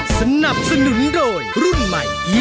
สวัสดีครับ